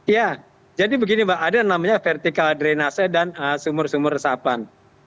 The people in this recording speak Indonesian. ya jadi begini mbak ada yang namanya vertikal drenase dan sumur sumur resapan